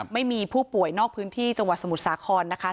ไม่มีผู้ป่วยนอกพื้นที่จังหวัดสมุทรสาครนะคะ